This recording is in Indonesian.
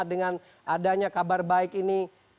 dengan adanya kabar baik ini